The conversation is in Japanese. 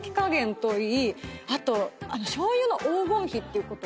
あと醤油の黄金比っていうこと。